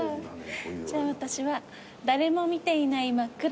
じゃあ私は「誰も見ていない真っ暗なところ」